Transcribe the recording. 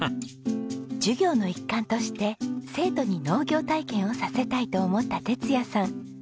授業の一環として生徒に農業体験をさせたいと思った哲也さん。